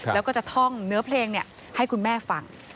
แล้วก็จะท่องเนื้อเพลงให้คุณแม่ฟัง